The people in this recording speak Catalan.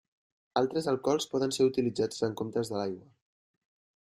Altres alcohols poden ser utilitzats en comptes de l'aigua.